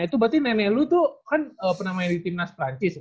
itu berarti nenek lu tuh kan pernah main di timnas perancis